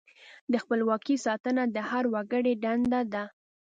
د خپلواکۍ ساتنه د هر وګړي دنده ده.